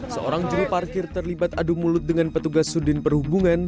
seorang juru parkir terlibat adu mulut dengan petugas sudin perhubungan